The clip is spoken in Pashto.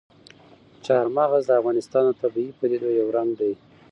چار مغز د افغانستان د طبیعي پدیدو یو رنګ دی.